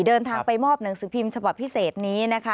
เดินทางไปมอบหนังสือพิมพ์ฉบับพิเศษนี้นะคะ